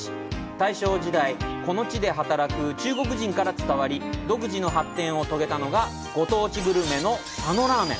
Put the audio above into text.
大正時代、この地で働く中国人から伝わり、独自の発展を遂げたのがご当地グルメの「佐野ラーメン」。